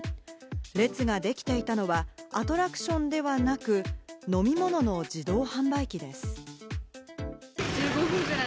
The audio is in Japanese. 列ができていたのは、アトラクションではなく、飲み物の自動販売機です。